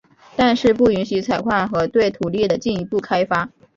但是不允许采矿和对土地的进一步开发。